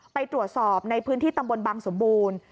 ไปตรวจสอบในพื้นที่ตำบลบังสมบูรณ์